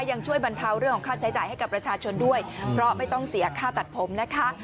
ยังช่วยบรรเทาเรื่องของค่าใช้จ่ายให้กับประชาชนด้วยเพราะไม่ต้องเสียค่าตัดผมนะคะ